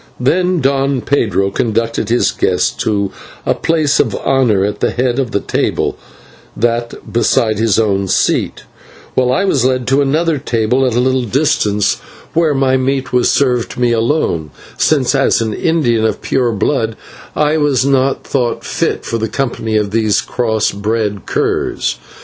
Then Don Pedro conducted his guest to a place of honour at the head of the table, that beside his own seat, while I was led to another table at a little distance, where my meat was served to me alone, since, as an Indian of pure blood, I was not thought fit for the company of these cross bred curs.